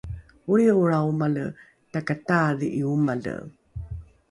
olriho’olrao omale takataadhi’i omale